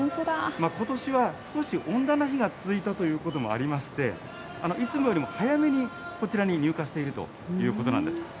ことしは少し温暖な日が続いたということもありまして、いつもよりも早めにこちらに入荷しているということなんです。